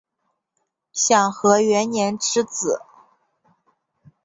享和元年之子。